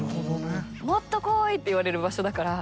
「もっと来い！」って言われる場所だから。